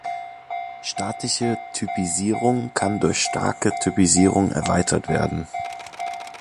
Statische Typisierung kann durch starke Typisierung erweitert werden.